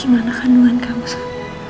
gimana kandungan kamu sob